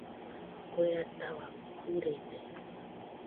Kue ataua kurede.